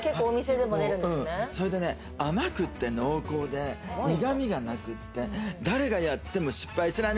それで甘くて濃厚で苦味がなくってね、誰がやっても失敗しない。